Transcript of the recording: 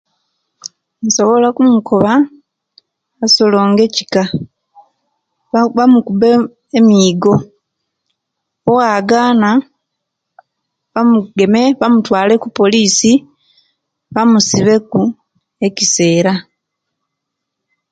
Nsobola okumukoba asolonge ekika bamukube emigo owagana bamugeme bamutwale kupolisi bamusibe ku ekisela